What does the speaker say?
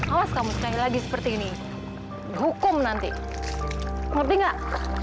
awas kamu sekali lagi seperti ini hukum nanti ngerti nggak